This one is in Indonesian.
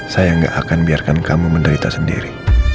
saya nggak akan biarkan kamu menderita sendiri